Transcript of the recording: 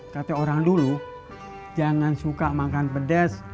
kata orang dulu jangan suka makan pedes